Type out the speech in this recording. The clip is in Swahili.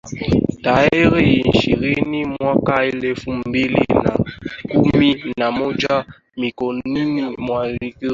tarehe ishirini mwaka elfu mbili na kumi na moja mikononi mwa vikosi vya Baraza